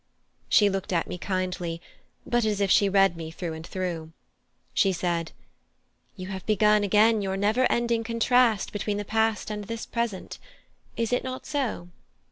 She looked at me kindly, but as if she read me through and through. She said: "You have begun again your never ending contrast between the past and this present. Is it not so?"